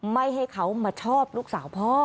ไม่ให้เขามาชอบลูกสาวพ่อ